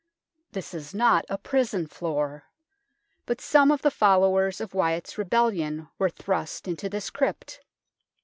This is not a prison floor, but some of the followers of Wyatt's rebellion were thrust into this crypt.